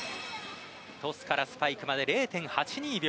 トスからスパイクまで０．８２秒。